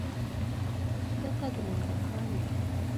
دته د ننګرهار یې؟